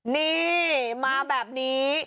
นี่มาแบบนี้